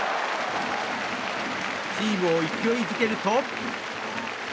チームを勢いづけると。